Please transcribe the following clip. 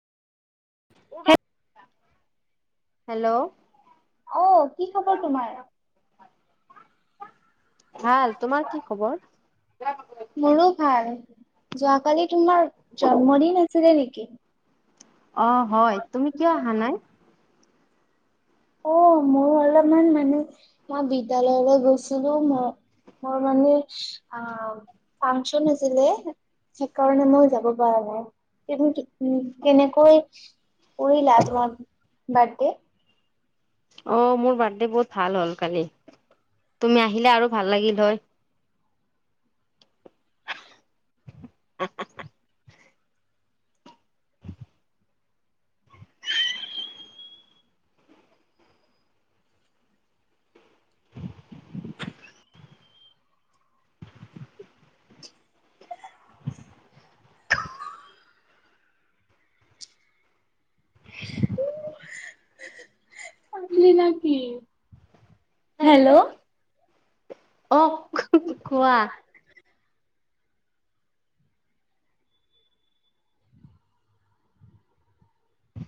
[unintelligible] Hello অ কি খবৰ তোমাৰ? ভাল। তোমাৰ কি খবৰ? মোৰো ভাল। যোৱাকালি তোমাৰ জন্মদিন আছিলে নেকি কি। অ', হয় তুমি কিয় অহা নাই। অ মই অাল অমান মানে মই বিদ্য়ালয়লৈ গৈছিলো ম মোৰ মানে আহ ফাংচন আছিলে সেইকাৰণে মই যাব পৰা নাই কি কেনেকৈ কৰিলা তো মাৰ বিৰ্থডা। অ মোৰ বাৰ্থডে বহুত ভাল হ'ল কালি তুমি আহিলে আৰু ভাল লাগিল হয় [inaudible] ন কিি হেল্ল' অ খোৱা